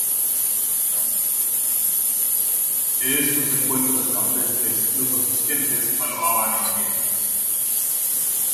En estos encuentros campestres los asistentes alojaban en tiendas.